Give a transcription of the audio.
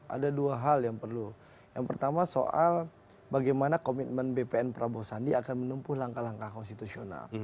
ada dua hal yang perlu yang pertama soal bagaimana komitmen bpn prabowo sandi akan menempuh langkah langkah konstitusional